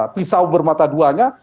pisau bermata duanya